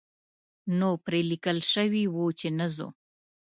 نو پرې لیکل شوي وو چې نه ځو.